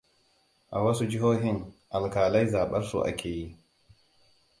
A wasu jihohin, alƙalai zaɓarsu ake yi.